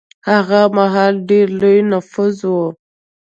هغه مهال ډېر لوی نفوس و.